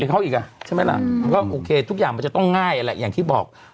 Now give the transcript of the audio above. เขาอีกอ่ะใช่ไหมล่ะก็โอเคทุกอย่างมันจะต้องง่ายแหละอย่างที่บอก